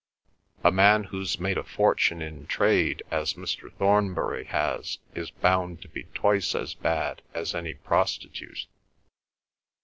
A man who's made a fortune in trade as Mr. Thornbury has is bound to be twice as bad as any prostitute."